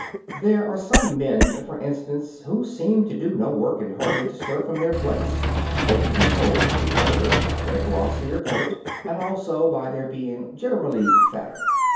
There are some men, for instance, who seem to do no work and hardly to stir from their place. They can be told from the others by their glossier coat, and also by their being generally fatter.